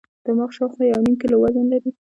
دماغ شاوخوا یو نیم کیلو وزن لري.